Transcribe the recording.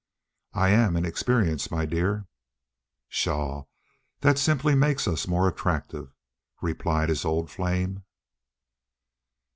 "I am in experience, my dear." "Pshaw, that simply makes us more attractive," replied his old flame.